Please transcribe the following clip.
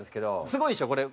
すごいでしょこれ。